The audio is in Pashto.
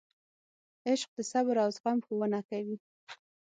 عشق د صبر او زغم ښوونه کوي.